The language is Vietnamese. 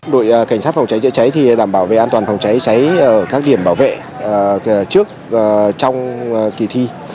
đội cảnh sát phòng cháy chữa cháy thì đảm bảo về an toàn phòng cháy cháy ở các điểm bảo vệ trước trong kỳ thi